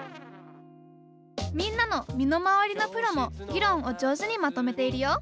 みんなの身の回りのプロも議論を上手にまとめているよ。